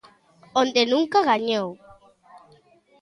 Onde nunca gañou.